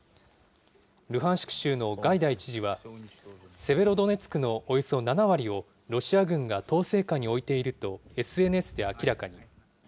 ルハンシク州のガイダイ知事は、セベロドネツクのおよそ７割を、ロシア軍が統制下に置いているとＳＮＳで明らかに。